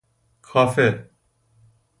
کافه